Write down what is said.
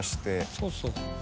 そうそう。